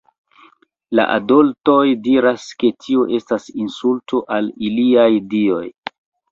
La adoltoj diras, ke tio estas insulto al iliaj dioj.